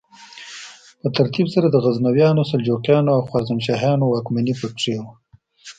په ترتیب سره د غزنویانو، سلجوقیانو او خوارزمشاهیانو واکمني پکې وه.